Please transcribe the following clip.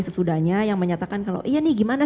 sesudahnya yang menyatakan kalau iya nih gimana